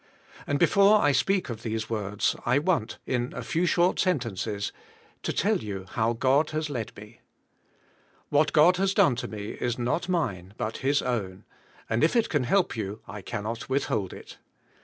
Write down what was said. And be fore I speak of these words I want, in a few short sentences, to tell you how God has led me. What God has done to me is not mine but His own, and if JKSUS ABI,:^ TO KEKP. 211 it can help you, I cannot withhold it.